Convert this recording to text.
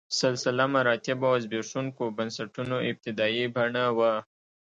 سلسله مراتبو او زبېښونکو بنسټونو ابتدايي بڼه وه.